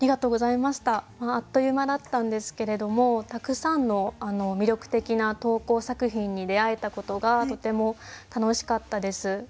あっという間だったんですけれどもたくさんの魅力的な投稿作品に出会えたことがとても楽しかったです。